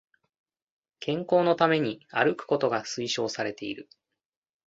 健康のために歩くことが推奨されている